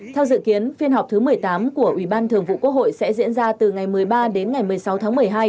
theo dự kiến phiên họp thứ một mươi tám của ủy ban thường vụ quốc hội sẽ diễn ra từ ngày một mươi ba đến ngày một mươi sáu tháng một mươi hai